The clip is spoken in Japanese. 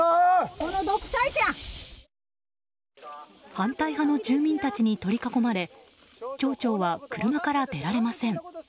反対派の住民たちに取り囲まれ町長は車から出られません。